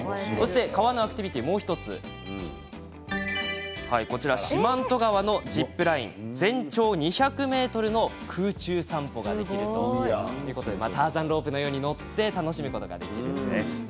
川のアクティビティーの１つ四万十川のジップライン全長２００ｍの空中散歩ができるということでターザンロープのように乗って楽しむことができるんです。